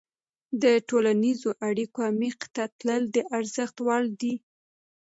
د ټولنیزو اړیکو عمیق ته تلل د ارزښت وړ دي.